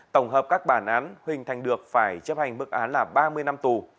tổng hợp các bản án huỳnh thành được phải chấp hành mức án là ba mươi năm tù